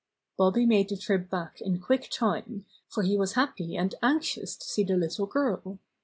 Bobby made the trip back in quick time, for he was happy and anxious to see the little girl.